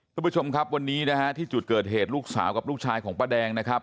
คุณผู้ชมครับวันนี้นะฮะที่จุดเกิดเหตุลูกสาวกับลูกชายของป้าแดงนะครับ